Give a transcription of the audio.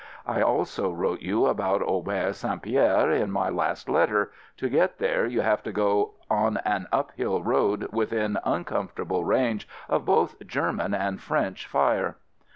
I also wrote you about Auberge St. Pierre in my last letter — to get there you have to go on an uphill road within uncomfortable range of both German and French fire.